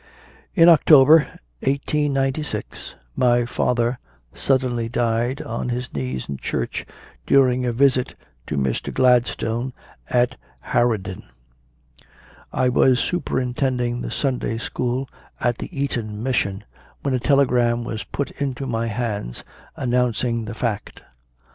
In October, 1896, my father suddenly died on his knees in church during a visit to Mr. Gladstone at Hawarden. I was superintending the Sunday school at the Eton Mission when a telegram was put into my hands announcing the fact.